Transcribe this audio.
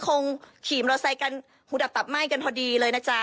คงขีมเราใส่กันหูดับตับไหม้กันพอดีเลยนะเจ้า